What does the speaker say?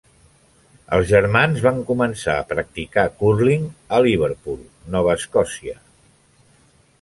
Els germans van començar a practicar cúrling a Liverpool, Nova Escòcia.